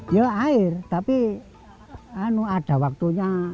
ya air tapi ada waktunya